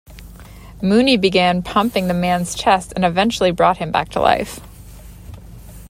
Mooney began pumping the man's chest and eventually brought him back to life.